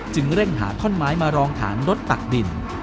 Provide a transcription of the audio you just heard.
เร่งหาท่อนไม้มารองฐานรถตักดิน